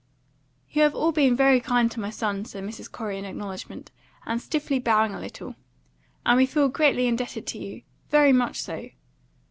"You have all been very kind to my son," said Mrs. Corey in acknowledgment, and stiffly bowing a little, "and we feel greatly indebted to you. Very much so."